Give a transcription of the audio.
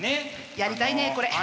やりたいねこれ。